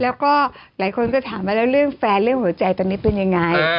แล้วก็หลายคนก็ถามว่าแล้วเรื่องแฟนเรื่องหัวใจตอนนี้เป็นยังไง